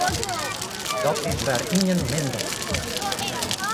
Dat is wer ien minder.